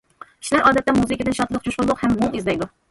كىشىلەر ئادەتتە مۇزىكىدىن شادلىق، جۇشقۇنلۇق ھەم مۇڭ ئىزدەيدۇ.